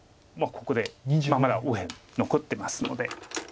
ここでまだ右辺残ってますので。